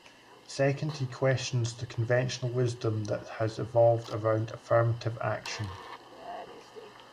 Second, he questions the conventional wisdom that has evolved around affirmative action.